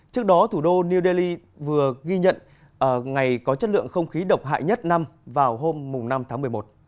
trước đó thủ đô new delhi vừa ghi nhận ngày có chất lượng không khí độc hại nhất năm vào hôm năm tháng một mươi một